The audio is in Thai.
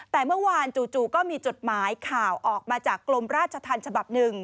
แต่เมื่อวานจู่ก็มีจดหมายข่าวออกมาจากกรมราชธรรมฉบับหนึ่ง